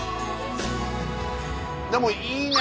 でもいいね。